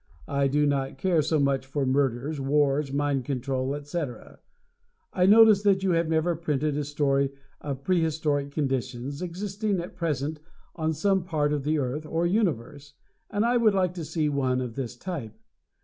I do not care so much for murders, wars, mind control, etc. I notice that you have never printed a story of prehistoric conditions existing at present on some part of the earth or universe, and I would like to see one of this type.